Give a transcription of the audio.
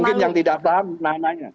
mungkin yang tidak paham maknanya